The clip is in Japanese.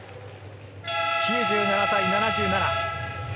９７対７７。